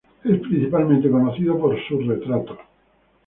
Es principalmente conocido por sus retratos.